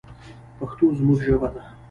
پښتو زموږ ژبه ده